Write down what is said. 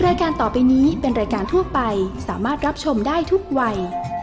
รายการต่อไปนี้เป็นรายการทั่วไปสามารถรับชมได้ทุกวัย